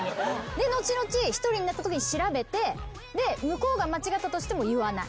で後々一人になったときに調べてで向こうが間違ったとしても言わない。